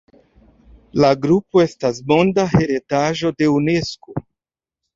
La grupo estas Monda heredaĵo de Unesko.